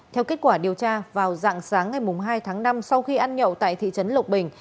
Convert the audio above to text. theo kết quả điều tra vào dạng sáng ngày hai tháng năm sau khi ăn nhậu tại thị trấn lộc bình